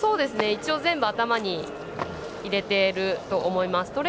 一応、全部頭に入れていると思います。